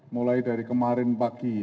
mulai dari kemarin pagi